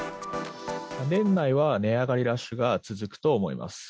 年内は値上がりラッシュが続くと思います。